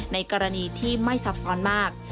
ในกรณีที่ไม่ซับซ้อนมาก